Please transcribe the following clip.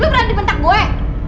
lu berani bentak gue